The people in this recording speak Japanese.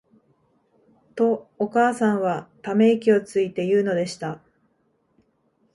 と、お母さんは溜息をついて言うのでした。